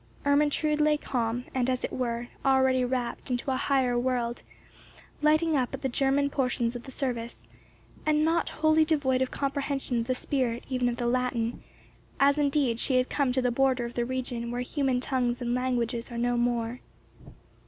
Ermentrude lay calm, and, as it were, already rapt into a higher world, lighting up at the German portions of the service, and not wholly devoid of comprehension of the spirit even of the Latin, as indeed she had come to the border of the region where human tongues and languages are no more.